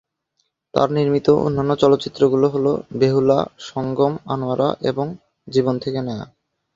তার নির্মিত অন্যান্য চলচ্চিত্রগুলো হলো "বেহুলা", "সঙ্গম", "আনোয়ারা" এবং "জীবন থেকে নেয়া"।